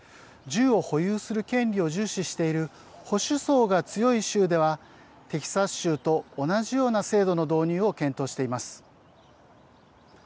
銃を保有する権利を重視している保守層が強い州ではテキサス州と同じような制度の導入を検討しています。